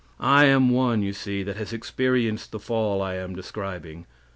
I am one, you see, that has experienced the fall I am describing.